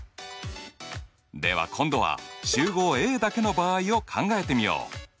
では今度は集合Ａだけの場合を考えてみよう。